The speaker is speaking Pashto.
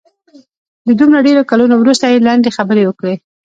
د دومره ډېرو کلونو وروسته یې لنډې خبرې وکړې.